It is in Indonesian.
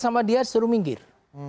sama dia suruh minggir